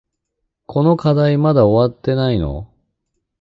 この課題まだ終わってないの？